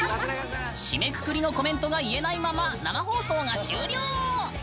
締めくくりのコメントが言えないまま生放送が終了。